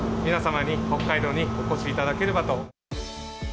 皆様に北海道にお越しいただければと。